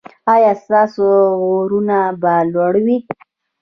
ایا ستاسو غرونه به لوړ وي؟